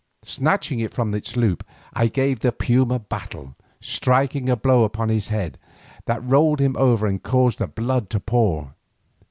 Snatching it from its loop I gave the puma battle, striking a blow upon his head that rolled him over and caused the blood to pour.